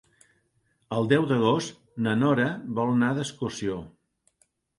El deu d'agost na Nora vol anar d'excursió.